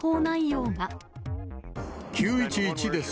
９１１です。